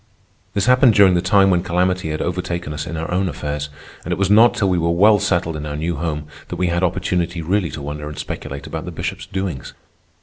This happened during the time when calamity had overtaken us in our own affairs; and it was not till we were well settled in our new home that we had opportunity really to wonder and speculate about the Bishop's doings.